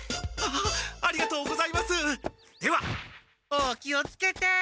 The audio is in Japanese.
お気をつけて！